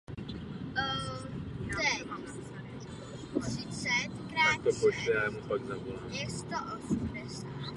Odehrává se v Bílém domě.